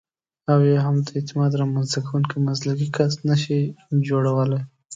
او یا هم د اعتماد رامنځته کوونکی مسلکي کس نشئ جوړولای.